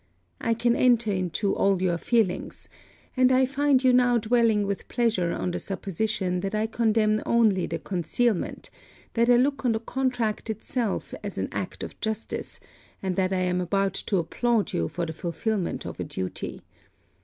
I can enter into all your feelings; and I find you now dwelling with pleasure on the supposition that I condemn only the concealment, that I look on the contract itself as an act of justice, and that I am about to applaud you for the fulfillment of a duty.